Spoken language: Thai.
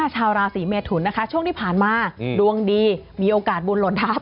ชาวราศีเมทุนนะคะช่วงที่ผ่านมาดวงดีมีโอกาสบุญหล่นทัพ